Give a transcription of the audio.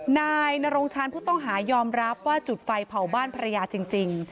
นายนรงชาญผู้ต้องหายอมรับว่าจุดไฟเผาบ้านภรรยาจริง